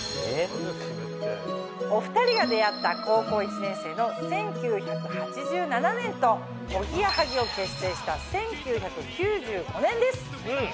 お２人が出会った高校１年生の１９８７年とおぎやはぎを結成した１９９５年です。